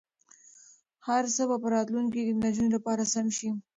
هر څه به په راتلونکي کې د نجونو لپاره سم شي.